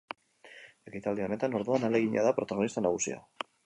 Ekitaldi honetan, orduan, ahalegina da protagonista nagusia.